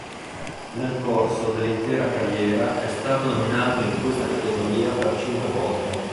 Nel corso dell'intera carriera è stato nominato in questa categoria per cinque volte.